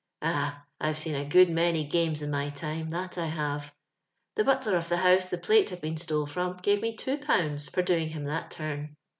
Ah! I*ve seen a good many games in my time — that I have. The butler of the house the plate had been stole from give mo 21. for doing him that turn.